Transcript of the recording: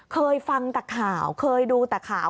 เคยฟังแต่ข่าวเคยดูแต่ข่าว